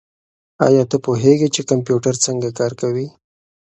ایا ته پوهېږې چې کمپیوټر څنګه کار کوي؟